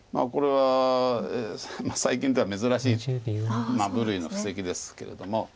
これは最近では珍しい部類の布石ですけれども。